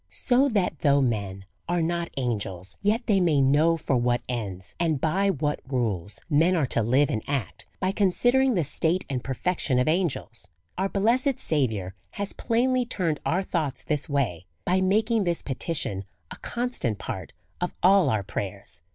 So that though men are not angels, yet they may know for what ends, and by what rules, men are to live and act, by considering the state and perfection of angels. Our blessed Saviour has plainly turned our thoughts this way, by making this petition a constant part of all our prayers.